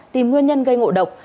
tìm nguyên nhân gây ngộ độc